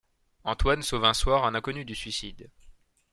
Antoine sauve un soir un inconnu du suicide.